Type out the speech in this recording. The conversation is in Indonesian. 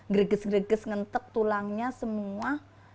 greges greges ngentek tulangnya semua